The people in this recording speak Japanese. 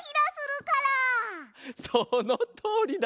そのとおりだ！